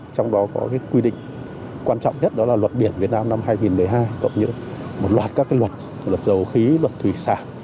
trong đó có quy định quan trọng nhất đó là luật biển việt nam năm hai nghìn một mươi hai cộng như một loạt các luật dầu khí luật thủy sản